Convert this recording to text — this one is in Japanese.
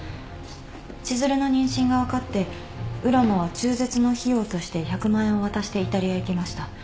千寿留の妊娠が分かって浦真は中絶の費用として１００万円を渡してイタリアへ行きました。